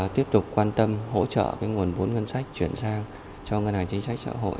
tiếp tục quan tâm hỗ trợ nguồn vốn ngân sách chuyển sang cho ngân hàng chính sách xã hội